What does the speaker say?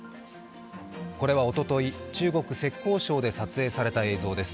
これはおととい、中国・浙江省で撮影された映像です。